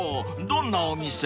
どんなお店？］